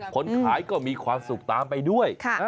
คนขายก็มีความสุขตามไปด้วย